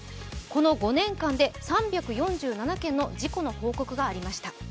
この５年間で３４７件の事故の報告がありました。